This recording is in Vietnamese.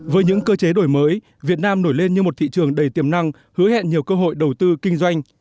với những cơ chế đổi mới việt nam nổi lên như một thị trường đầy tiềm năng hứa hẹn nhiều cơ hội đầu tư kinh doanh